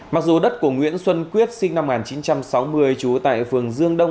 mặc dù đất của nguyễn xuân quyết sinh năm một nghìn chín trăm sáu mươi trú tại phường dương đông